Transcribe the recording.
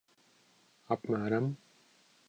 Apmēram.